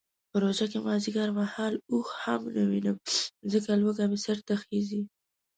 په روژه کې مازدیګر مهال اوښ هم نه وینم ځکه لوږه مې سرته خیژي.